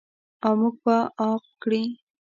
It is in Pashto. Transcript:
او موږ به عاق کړي.